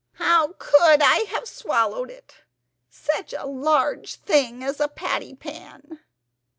"How COULD I have swallowed it! such a large thing as a patty pan!"